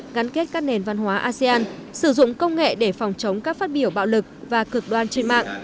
ngắn kết các nền văn hóa asean sử dụng công nghệ để phòng chống các phát biểu bạo lực và cực đoan trên mạng